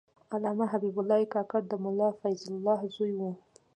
علامه حبیب الله کاکړ د ملا فیض الله زوی و.